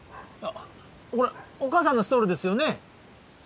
これお母さんのストールですよね？